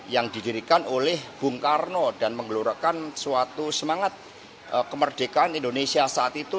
yang didirikan oleh bung karno dan menggelurakan suatu semangat kemerdekaan indonesia saat itu